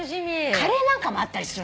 カレーなんかもあったりする。